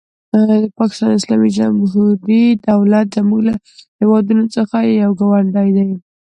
د پاکستان اسلامي جمهوري دولت زموږ له هېوادونو څخه یو ګاونډی دی.